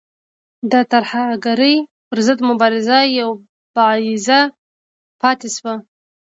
د ترهګرۍ پر ضد مبارزه یو بعدیزه پاتې شوه.